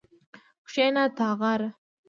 کښېنه تاغاره